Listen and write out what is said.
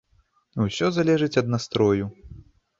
Усё залежыць ад настрою.